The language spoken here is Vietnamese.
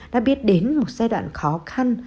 đã biết đến một giai đoạn khó khăn